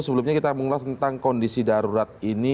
sebelumnya kita mengulas tentang kondisi darurat ini